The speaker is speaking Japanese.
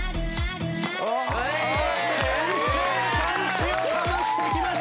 先制パンチをかましてきました。